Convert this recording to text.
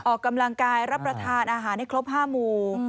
ออกกำลังกายรับประทานอาหารให้ครบ๕หมู่